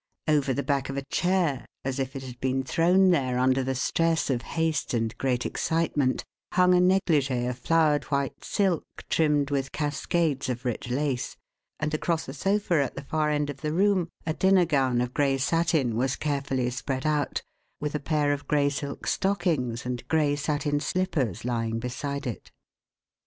Over the back of a chair as if it had been thrown there under the stress of haste and great excitement hung a negligée of flowered white silk trimmed with cascades of rich lace, and across a sofa at the far end of the room, a dinner gown of gray satin was carefully spread out, with a pair of gray silk stockings and gray satin slippers lying beside it.